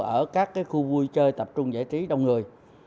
ở các khu vui chơi tập trung giải trí đông người